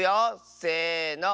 せの！